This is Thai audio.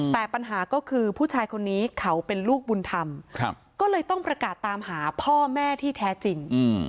แต่ปัญหาก็คือผู้ชายคนนี้เขาเป็นลูกบุญธรรมก็เลยต้องประกาศตามหาพ่อแม่ที่แท้จริง